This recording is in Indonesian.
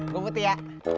gue putih ya